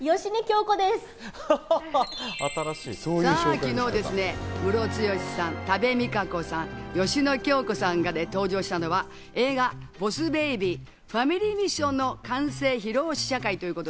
昨日、ムロツヨシさん、多部未華子さん、芳根京子さんが登場したのは、映画『ボス・ベイビーファミリー・ミッション』の完成披露試写会。